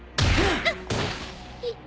あっ。